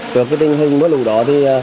trước tình hình mưa lũ đó